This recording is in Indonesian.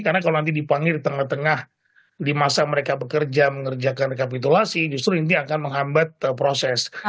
karena kalau nanti dipanggil di tengah tengah di masa mereka bekerja mengerjakan rekapitulasi justru ini akan menghambat proses